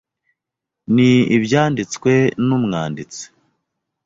Ni ibyanditswe n ;umwanditsi,